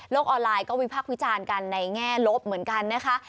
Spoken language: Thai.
ออนไลน์ก็วิพักษ์วิจารณ์กันในแง่ลบเหมือนกันนะคะ